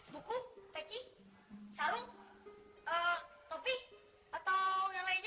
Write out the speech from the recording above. buku peci sarung topi atau yang lainnya